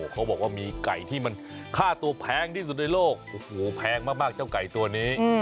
เขาบอกว่ามีไก่ที่มันค่าตัวแพงที่สุดในโลกโอ้โหแพงมากเจ้าไก่ตัวนี้